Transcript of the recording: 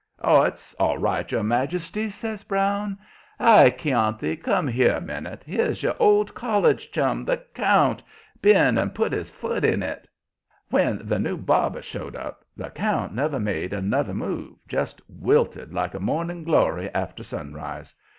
"Oh, that's all right, your majesty," says Brown. "Hi, Chianti, come here a minute! Here's your old college chum, the count, been and put his foot in it." When the new barber showed up the count never made another move, just wilted like a morning glory after sunrise.